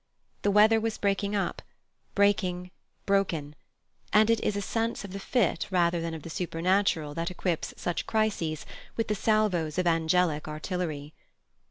The weather was breaking up, breaking, broken, and it is a sense of the fit rather than of the supernatural that equips such crises with the salvos of angelic artillery.